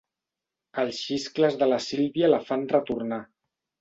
Els xiscles de la Sílvia la fan retornar.